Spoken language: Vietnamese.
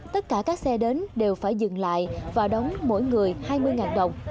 tất cả các xe đến đều phải dừng lại và đóng mỗi người hai mươi đồng